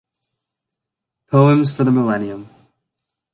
Poems for the Millennium.